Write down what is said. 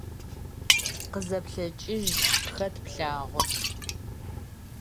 Къызэплъэкӏыж, хэт плъагъур?